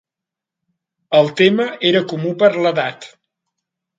El tema era comú per a l'edat.